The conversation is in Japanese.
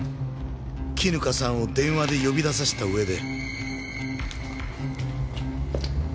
絹香さんを電話で呼び出させた上で。